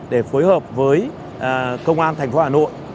để phối hợp với công an thành phố hà nội